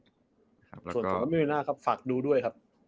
ส่วนของคุณมือหน้าครับฝากดูด้วยครับ